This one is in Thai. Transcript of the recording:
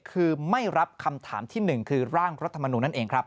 คือไม่รับคำถามที่๑คือร่างรัฐมนุนนั่นเองครับ